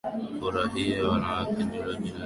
Furahia Wanawake ndilo jina la kikundi cha wanawake hao